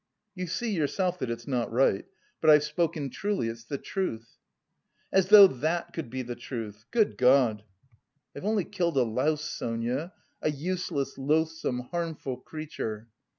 "You see yourself that it's not right. But I've spoken truly, it's the truth." "As though that could be the truth! Good God!" "I've only killed a louse, Sonia, a useless, loathsome, harmful creature."